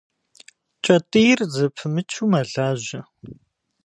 Кӏэтӏийр зэпымычу мэлажьэ.